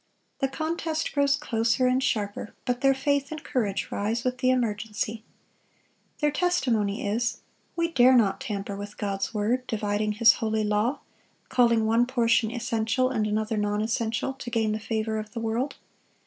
The contest grows closer and sharper, but their faith and courage rise with the emergency. Their testimony is: "We dare not tamper with God's word, dividing His holy law; calling one portion essential and another non essential, to gain the favor of the world.